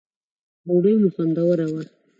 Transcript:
ډوډی مو خوندوره وه